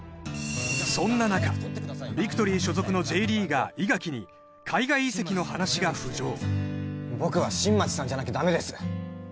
そんな中ビクトリー所属のＪリーガー伊垣に海外移籍の話が浮上僕は新町さんじゃなきゃダメです